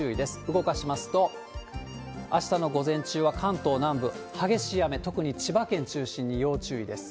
動かしますと、あしたの午前中は関東南部、激しい雨、特に千葉県中心に要注意です。